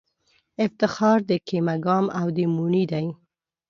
افتخار د کېمه ګام او د موڼی دی